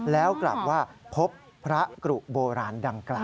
แล้วกลับว่าพบพระกรุโบราณดังกล่าว